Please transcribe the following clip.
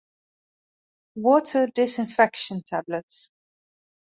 Water disinfection tablets.